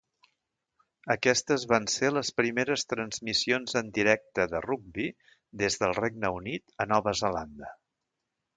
Aquestes van ser les primeres transmissions en directe de rugbi des del Regne Unit a Nova Zelanda.